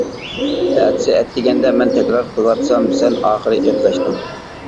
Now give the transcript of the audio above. ئەتىسى ئەتىگەندە مەن تەكرار قىلىۋاتسام سەن ئاخىرى ئېغىز ئاچتىڭ.